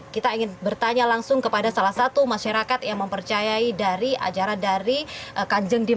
kita ingin bertanya langsung kepada salah satu masyarakat yang mempercayai dari acara dari kanjeng dim